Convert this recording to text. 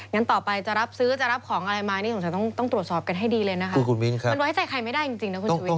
งั้นต่อไปจะรับซื้อจะรับของอะไรมานี่สงสัยต้องตรวจสอบกันให้ดีเลยนะคะมันไว้ใจใครไม่ได้จริงนะคุณชุวิต